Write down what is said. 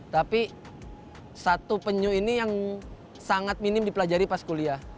tapi satu penyu ini yang sangat minim dipelajari pas kuliah